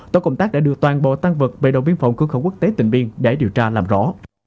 tổ công tác đã đưa toàn bộ tăng vật về đồn biên phòng cư khẩu quốc tế tỉnh biên để điều tra làm rõ